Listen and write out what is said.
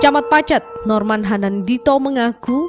camat pacet norman hanandito mengaku